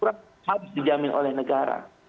kurang habis dijamin oleh negara